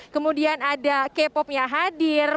kemudian ada k popnya hadir